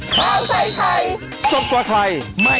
โปรดติดตามตอนต่อไป